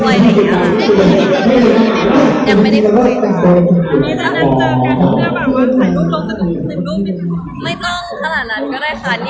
ก็ความเข้าใจละอะค่ะเธอจริงก็ไม่ได้มีแขนรับอะไร